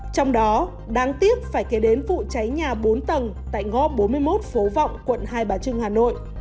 trong đó đáng tiếc phải kể đến vụ cháy nhà bốn tầng tại ngõ bốn mươi một phố vọng quận hai bà trưng hà nội